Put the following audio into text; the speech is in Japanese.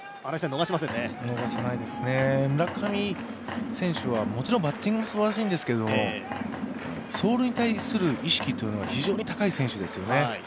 逃さないですね、村上選手はもちろんバッティングも素晴らしいんですけど走塁に対する意識が非常に高い選手ですよね。